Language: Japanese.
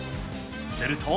すると。